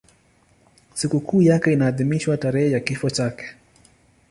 Sikukuu yake inaadhimishwa tarehe ya kifo chake.